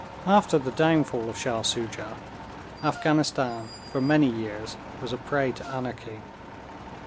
After the downfall of Shah Soojah, Afghanistan for many years was a prey to anarchy.